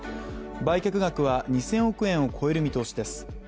売却額は２０００億円を超える見通しです。